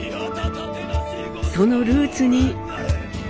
そのルーツに。